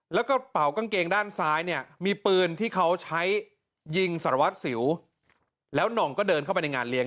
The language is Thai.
แล้วก็เป๋ากางเกงด้านซ้ายเนี่ยมีปืนที่เขาใช้ยิงสารวัตรสิวแล้วหน่องก็เดินเข้าไปในงานเลี้ย